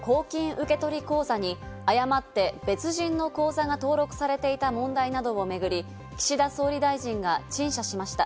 受け取り口座に誤って別人の口座が登録されていた問題などを巡り、岸田総理大臣が陳謝しました。